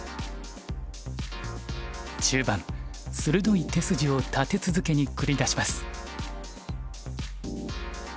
中盤鋭い手筋を立て続けに繰り出します。